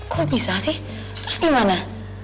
kok bisa sih terus gimana